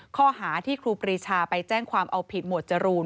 ข้อหาที่ครูปรีชาไปแจ้งความเอาผิดหมวดจรูน